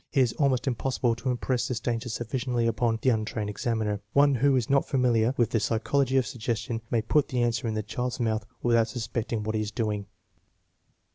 It is almost impossible to impress this danger sufficiently upon the untrained examiner. One who is not familiar with the psychology of suggestion may put the answer in the child's mouth without suspecting what he is doing.